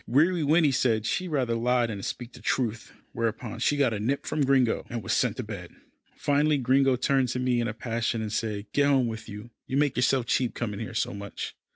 Weary Winnie said she'd rather lie than speak the truth, whereupon she got a nip from Gringo, and was sent to bed. Finally Gringo turned to me in a passion, and said, "Get home with you you make yourself cheap coming here so much."